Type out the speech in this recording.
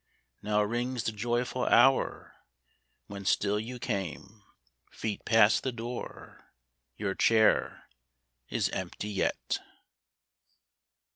Now rings the joyful hour when still you came. Feet pass the door ; your chair is empty yet